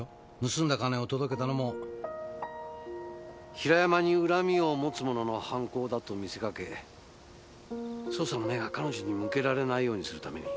盗んだ金を届けたのも平山に恨みを持つ者の犯行だと見せかけ捜査の目が彼女に向けられないようにするために。